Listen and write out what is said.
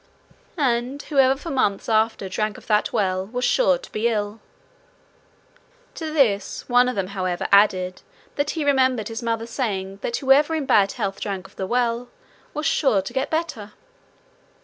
And whoever for months after drank of that well was sure to be ill. To this, one of them, however, added that he remembered his mother saying that whoever in bad health drank of the well was sure to get better.